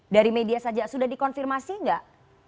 dari media saja sudah dikonfirmasi nggak